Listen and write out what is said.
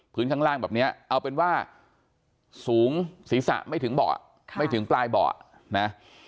ข้างล่างแบบนี้เอาเป็นว่าสูงศีรษะไม่ถึงเบาะไม่ถึงปลายเบาะนะ